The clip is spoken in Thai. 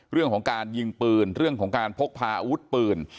เรื่องของการยิงปืนเรื่องของการพกพาอาวุธปืน